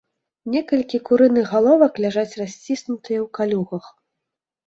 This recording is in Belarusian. Некалькі курыных галовак ляжаць расціснутыя ў калюгах.